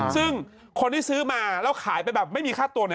ซึ่งคนที่ซื้อมาแล้วขายไปแบบไม่มีค่าตัว